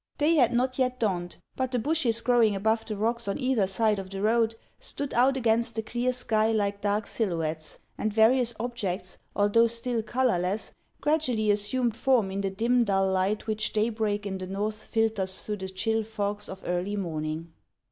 Day had not yet dawned ; but the bushes growing above the rocks on either side of the road stood out against the clear sky like dark silhouettes, and various objects, although still colorless, gradually assumed form in the dim, dull light which daybreak in the North filters through the chill fogs of earlv morning.